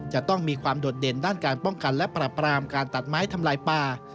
จะต้องมีความโดดเด่นด้านการป้องกันและปรับปรามการตัดไม้ทำลายป่า